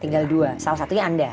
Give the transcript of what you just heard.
tinggal dua salah satunya anda